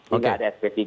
hingga ada sp tiga